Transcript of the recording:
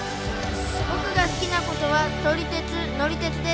僕が好きなことは撮り鉄乗り鉄です。